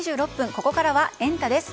ここからはエンタ！です。